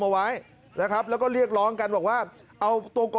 เอาไว้นะครับแล้วก็เรียกร้องกันบอกว่าเอาตัวก่อ